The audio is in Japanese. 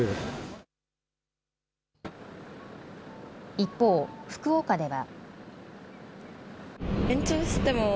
一方、福岡では。